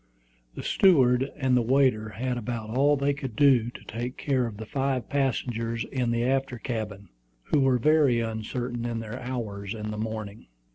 The steward and the waiter had about all they could do to take care of the five passengers in the after cabin, who were very uncertain in their hours in the morning.